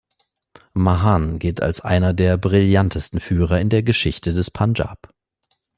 Mahan gilt als einer der brillantesten Führer in der Geschichte des Punjab.